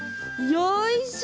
よいしょ。